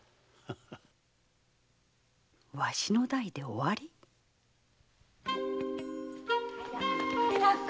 わしの代で終わり？早く！